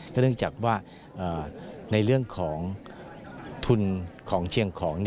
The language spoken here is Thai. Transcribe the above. เนื่องจากว่าในเรื่องของทุนของเชียงของ